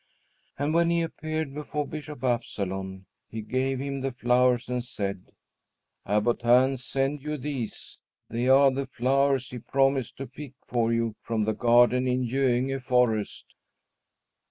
And when he appeared before Bishop Absalon, he gave him the flowers and said: "Abbot Hans sends you these. They are the flowers he promised to pick for you from the garden in Göinge forest."